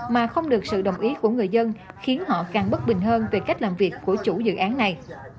mà không được sự đồng ý của người dân khiến họ càng bất bình hơn về cách làm việc của chủ dự án này